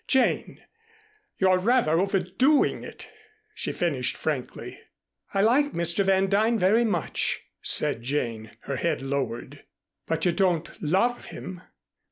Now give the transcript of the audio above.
"Jane, you're rather overdoing it," she finished frankly. "I like Mr. Van Duyn very much," said Jane, her head lowered. "But you don't love him.